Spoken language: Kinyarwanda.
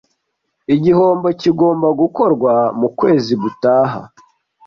Igihombo kigomba gukorwa mu kwezi gutaha.